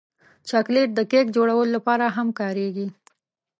چاکلېټ د کیک جوړولو لپاره هم کارېږي.